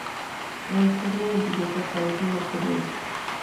La historia del billete aparece en los periódicos.